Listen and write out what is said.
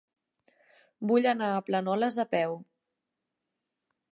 Vull anar a Planoles a peu.